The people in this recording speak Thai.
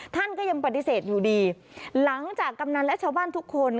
ท่านก็ยังปฏิเสธอยู่ดีหลังจากกำนันและชาวบ้านทุกคน